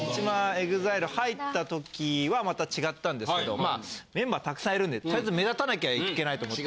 ＥＸＩＬＥ入ったときはまた違ったんですけどメンバー沢山いるんでとりあえず目立たなきゃいけないと思って。